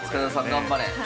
頑張れ。